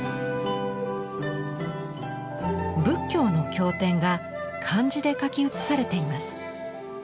仏教の経典が漢字で書き写されています。